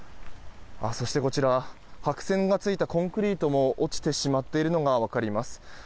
そして、白線がついたコンクリートも落ちてしまっているのが分かります。